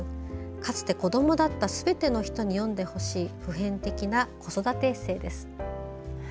かつて子どもだったすべての人に読んでほしい普遍的な子育てエッセーです。